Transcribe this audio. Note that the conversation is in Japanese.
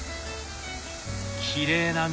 きれいな緑！